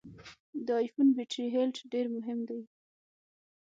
د ای فون بټري هلټ ډېر مهم دی.